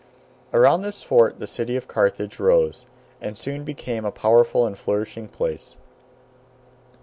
Around this fort the city of Carthage rose, and soon became a powerful and flourishing place.